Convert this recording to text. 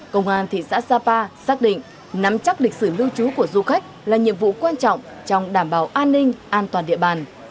công an thị xã sapa xác định nắm chắc lịch sử lưu trú của du khách là nhiệm vụ quan trọng trong đảm bảo an ninh an toàn địa bàn